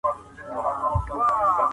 سایبر امنیتي پروګرامونه د شبکې فعالیت څاري.